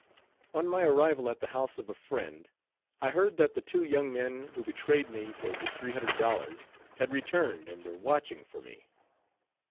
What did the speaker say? On my arrival at the house of a friend, I heard that the two young men who betrayed me for the three hundred dollars had returned and were watching for me.